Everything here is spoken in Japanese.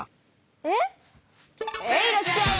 えっ⁉へいらっしゃい！